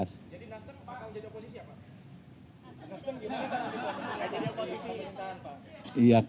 kami diberintahkan pak